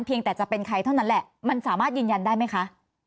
ยังแต่จะเป็นใครเท่านั้นแหละมันสามารถยืนยันได้ไหมคะ